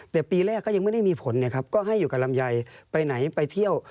แต่ปีแรกก็ยังไม่ได้มีผลนะครับก็ให้อยู่กับลำไยไปไหนไปเที่ยว